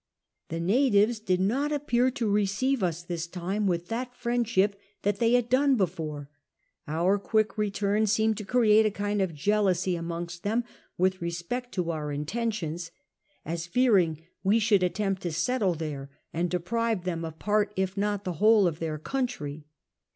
Tilt natives did not appear to receive us this time witli that friendship that they had done l>efore ; our quick return seemed to create a kind of jealousy amongst them with resjicct to our intentions ; as fearing we should attenqit to settle there and deprive them of part if not the wliole of their country.